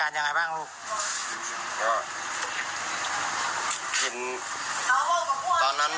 วันนี้คือส่วนที่น้องผู้หญิงเห็นแบบนี้เนอะ